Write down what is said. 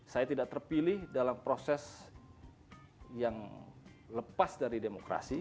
saya tidak terpilih dalam proses yang lepas dari demokrasi